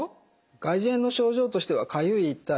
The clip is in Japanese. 外耳炎の症状としてはかゆい痛い